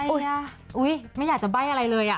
อุ๊ยไม่อยากจะใบ้อะไรเลย